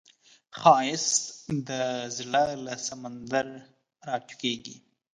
ښایست د زړه له سمندر راټوکېږي